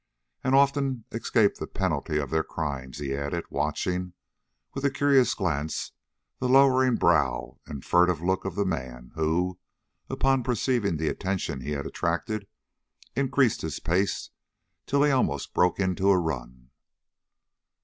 "And often escape the penalty of their crimes," he added, watching, with a curious glance, the lowering brow and furtive look of the man who, upon perceiving the attention he had attracted, increased his pace till he almost broke into a run.